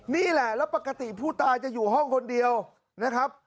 นี่แหละแล้วปกติผู้ตายจะอยู่ห้องคนเดียวนะครับ